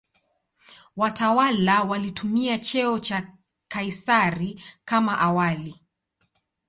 Watawala walitumia cheo cha "Kaisari" kama awali.